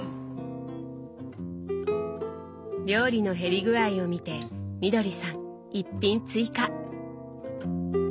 料理の減り具合を見てみどりさん１品追加！